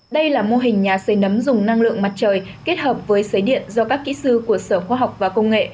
đây là mô hình nhà xây nấm dùng năng lượng mặt trời kết hợp với xây điện do các kỹ sư của sở khoa học và công nghệ